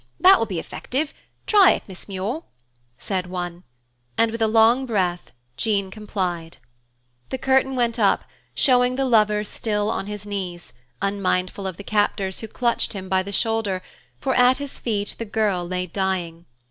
That will be effective; try it, Miss Muir," said one. And with a long breath, Jean complied. The curtain went up, showing the lover still on his knees, unmindful of the captors who clutched him by the shoulder, for at his feet the girl lay dying.